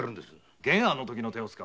玄庵のときの手を使う。